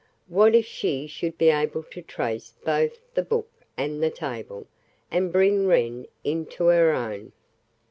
What if she should be able to trace both the book and the table! And bring Wren into her own!